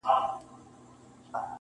نشه یمه تر اوسه جام مي بل څکلی نه دی-